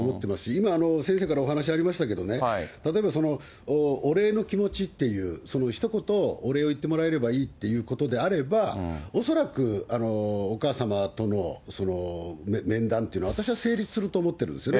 今、先生からお話ありましたけどね、例えばお礼の気持ちっていう、そのひと言、お礼を言ってもらえればいいっていうことであれば、恐らくお母様との面談っていうのは、私は成立すると思ってるんですよね。